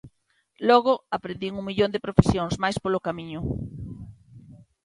Logo aprendín un millón de profesións máis polo camiño.